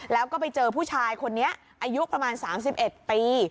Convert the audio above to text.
แล้วก็ไปเจอผู้ชายคนนี้อายุประมาณสามสิบเอ็ดปี